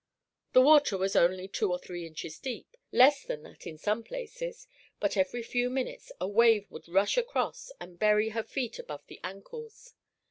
The water was only two or three inches deep, less than that in some places; but every few minutes a wave would rush across and bury her feet above the ankles.